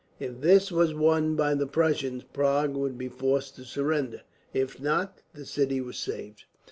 If this was won by the Prussians, Prague would be forced to surrender. If not, the city was saved.